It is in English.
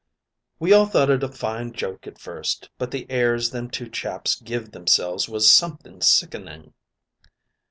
"We all thought it a fine joke at first, but the airs them two chaps give themselves was something sickening.